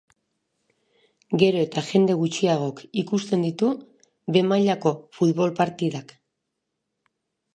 Gero eta jende gutxiagok ikusten ditu behe mailako futbol partidak.